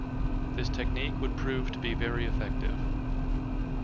This technique would prove to be very effective.